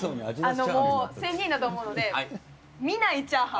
もう、仙人だと思うので、見ないチャーハン。